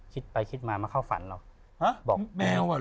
คิดไปคิดมามาเข้าฝันแล้ว